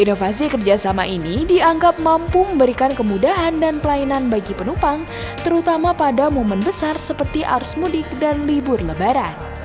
inovasi kerjasama ini dianggap mampu memberikan kemudahan dan pelayanan bagi penumpang terutama pada momen besar seperti arus mudik dan libur lebaran